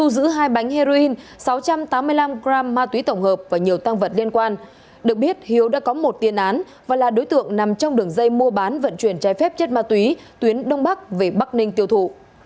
một trăm tám mươi năm g ma túy tổng hợp và nhiều tăng vật liên quan được biết hiếu đã có một tiên án và là đối tượng nằm trong đường dây mua bán vận chuyển trái phép chất ma túy tuyến đông bắc về bắc ninh tiêu thụ